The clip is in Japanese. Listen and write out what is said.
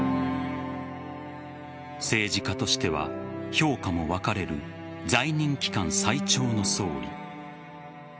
政治家としては評価も分かれる在任期間最長の総理。